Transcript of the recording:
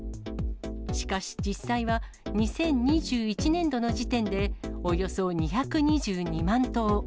しかし実際は、２０２１年度の時点で、およそ２２２万頭。